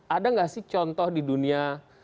ada nggak sih contoh di dunia